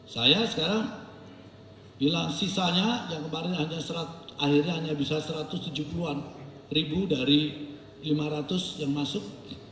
saya sekarang bila sisanya yang kemarin akhirnya hanya bisa satu ratus tujuh puluh an ribu dari lima ratus yang masuk